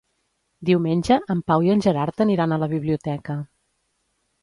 Diumenge en Pau i en Gerard aniran a la biblioteca.